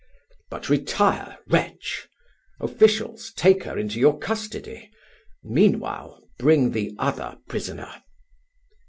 But retire, wretch: officials, take her into your custody; meanwhile, bring the other prisoner."